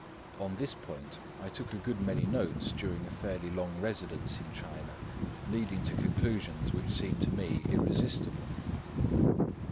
On this point I took a good many notes during a fairly long residence in China, leading to conclusions which seem to me irresistible.